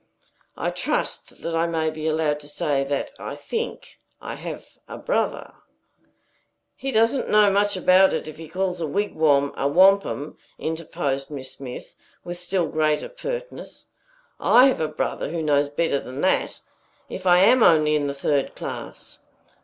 I trust that I may be allowed to say that I think I have a brother" "He doesn't know much about it, if he calls a wigwam a wampum," interposed Miss Smith, with still greater pertness. "I have a brother who knows better than that, if I am only in the third class."